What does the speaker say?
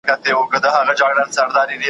عقل چي پردی سي له زمان سره به څه کوو ,